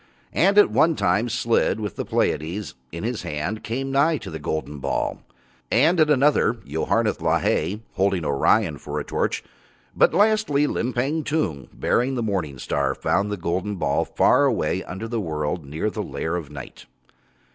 And at one time Slid, with the Pleiades in his hand, came nigh to the golden ball, and at another Yoharneth Lahai, holding Orion for a torch, but lastly Limpang Tung, bearing the morning star, found the golden ball far away under the world near to the lair of Night.